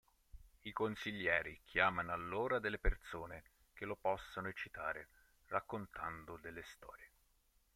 I consiglieri chiamano allora delle persone che lo possano eccitare raccontando delle storie.